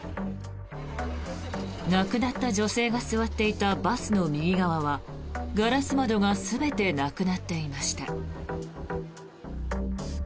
亡くなった女性が座っていたバスの右側はガラス窓が全てなくなっていました。